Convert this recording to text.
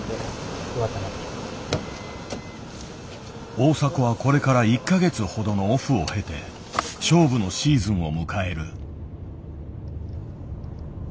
大迫はこれから１か月ほどのオフを経て勝負のシーズンを迎える。